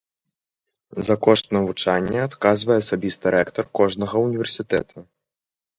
За кошт навучання адказвае асабіста рэктар кожнага ўніверсітэта.